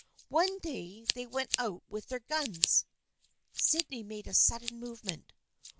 One day they went out with their guns." Sydney made a sud den movement.